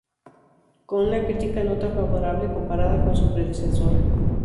Con una crítica no tan favorable comparada con su predecesora.